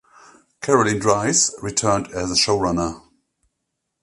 Caroline Dries returned as showrunner.